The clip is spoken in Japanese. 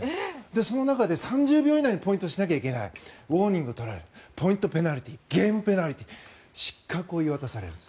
その中で３０秒以内にポイントしないといけないウォーニングを取られるポイント取られるゲームペナルティー失格を言い渡されるんです。